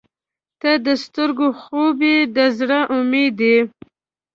• ته د سترګو خوب یې، د زړه امید یې.